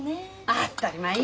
当ったり前よ！